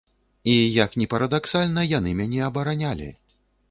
І як ні парадаксальна яны мяне абаранялі.